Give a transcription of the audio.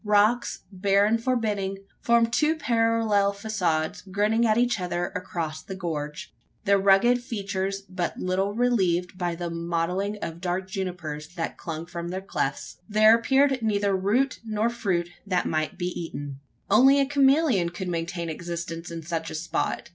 Rocks, bare and forbidding, formed two parallel facades grinning at each other across the gorge their rugged features but little relieved by the mottling of dark junipers that clung from their clefts. There appeared neither root nor fruit that might be eaten. Only a chameleon could maintain existence in such a spot!